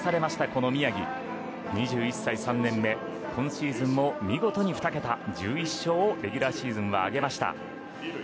この宮城２１歳、３年目今シーズンも見事に２桁１１勝をレギュラーシーズンで挙げました。